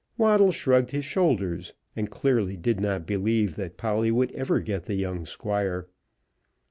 Waddle shrugged his shoulders, and clearly did not believe that Polly would ever get the young Squire.